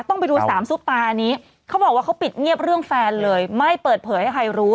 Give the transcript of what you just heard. ต้องไปดูสามซุปตาอันนี้เขาบอกว่าเขาปิดเงียบเรื่องแฟนเลยไม่เปิดเผยให้ใครรู้